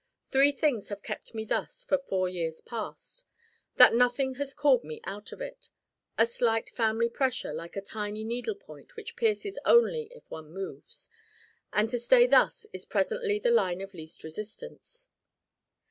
Three things have kept me thus for four years past: that nothing has called me out of it: a slight family pressure like a tiny needle point which pierces only if one moves: and to stay thus is presently the line of least resistance.